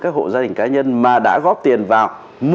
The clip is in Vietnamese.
các hộ gia đình cá nhân mà đã góp tiền vào